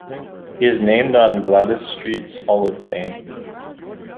He is named on the Gwladys Street's Hall of Fame.